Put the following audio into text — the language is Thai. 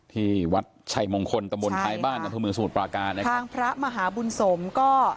ที่วัดไชมงคลตะบนท้ายบ้านทุมือสมุทรปลาการทางพระมหาบุญสมก็